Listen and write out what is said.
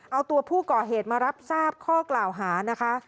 เอาตัวผู้ก่อเหตุมารับทราบข้อกล่าวหานะคะ